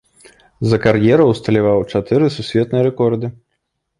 За кар'еру усталяваў чатыры сусветныя рэкорды.